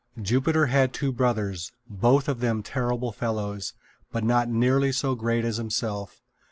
Jupiter had two brothers, both of them terrible fellows, but not nearly so great as himself.